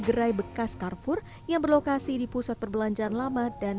gerai bekas carfur yang berlokasi di pusat perbelanjaan lama dan